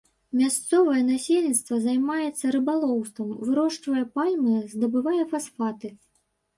Мясцовае насельніцтва займаецца рыбалоўствам, вырошчвае пальмы, здабывае фасфаты.